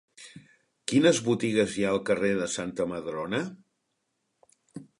Quines botigues hi ha al carrer de Santa Madrona?